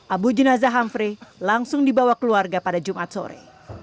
abu jenazah hamfrey langsung dibawa keluarga pada jumat sore